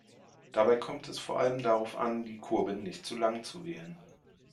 Dabei kommt es vor allem darauf an, die Kurbeln nicht zu lang zu wählen.